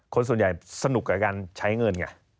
คนส่วนใหญ่สนุกกับการใช้เงินไง